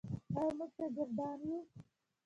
آیا موږ شاکران یو؟